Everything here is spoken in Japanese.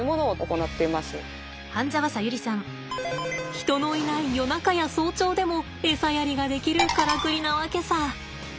人のいない夜中や早朝でもエサやりができるからくりなわけさ。